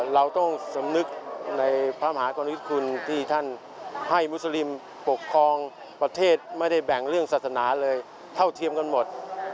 เราต้องสำนึกในพระมหากรณิคุณที่ท่านให้มุสลิมปกครองประเทศไม่ได้แบ่งเรื่องศาสนาเลยเท่าเทียมกันหมด